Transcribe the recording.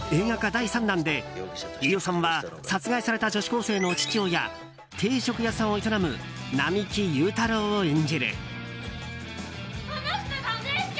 第３弾で飯尾さんは殺害された女子高生の父親定食屋さんを営む並木祐太郎を演じる。